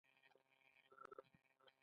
د پروژو افتتاح او نه تکمیلول فریب دی.